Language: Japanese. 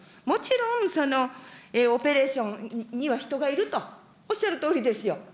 もちろん、そのオペレーションには人がいると、おっしゃるとおりですよ。